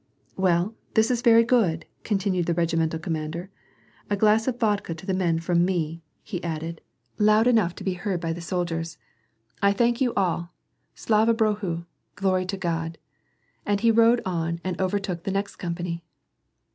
" Well, this is very good," continued the regimental com mander, " A glass of vodka to the men from me," he abided, WAR AND PEACE. 139 loud enough to be heard by the soldiers. " I thank you all ! Slava Bohu — glory to God !" And he rode on and overtook the next company.